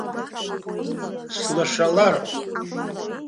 Сылшалароуп.